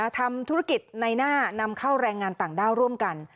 ทำธุรกิจในหน้านำเข้าแรงงานต่างด้าวร่วมกัน